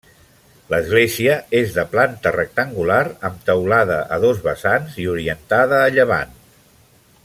L'església és de planta rectangular amb teulada a dos vessants i orientada a llevant.